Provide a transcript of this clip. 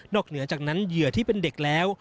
เหนือจากนั้นเหยื่อที่เป็นเด็กแล้ว